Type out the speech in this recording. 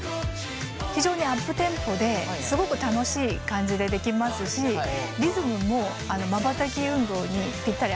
非常にアップテンポですごく楽しい感じでできますしリズムもまばたき運動にぴったり合います。